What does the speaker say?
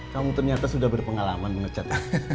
kamu ternyata sudah berpengalaman mengecat